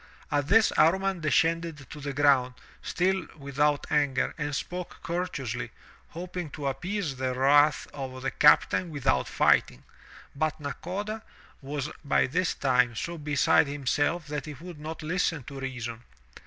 At this Amman descended to the ground, still without anger, and spoke courteously, hoping to ap pease the wrath of the captain without fighting. But Nakoda was by this time so beside himself that he would not listen to reason.